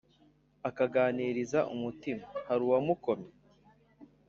Akiganiriza umutima haruwamukomye